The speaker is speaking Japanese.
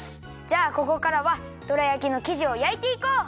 じゃあここからはどら焼きのきじをやいていこう！